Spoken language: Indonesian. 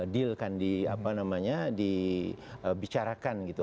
deal kan di apa namanya dibicarakan gitu